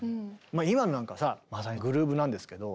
今のなんかさまさにグルーヴなんですけど。